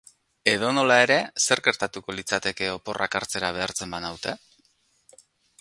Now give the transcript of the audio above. Edonola ere, zer gertatuko litzateke oporrak hartzera behartzen banaute?